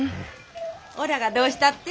おらがどうしたって？